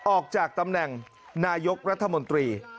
ออกจากตำแหน่งนายกรัฐมนตรี